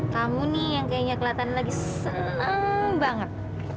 kamu nih yang kayaknya kelihatan lagi senang banget